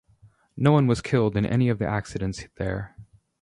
No one was killed in any of the accidents there.